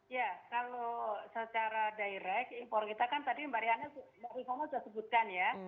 ya kalau secara direct impor kita kan tadi mbak rivana sudah sebutkan ya